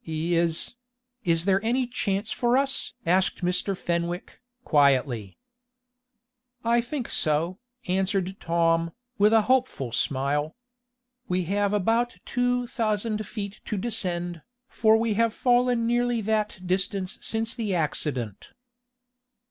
"Is is there any chance for us?" asked Mr. Fenwick, quietly. "I think so," answered Tom, with a hopeful smile. "We have about two thousand feet to descend, for we have fallen nearly that distance since the accident."